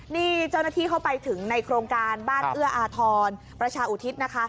นี่เจ้าหน้าที่เข้าไปถึงในโครงการบ้านเอื้ออาทรประชาอุทิศนะคะ